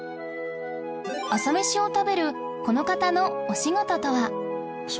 朝メシを食べるこの方のお仕事とは？